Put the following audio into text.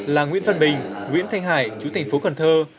là nguyễn văn bình nguyễn thanh hải chú thành phố cần thơ